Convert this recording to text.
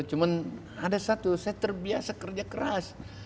cuma ada satu saya terbiasa kerja keras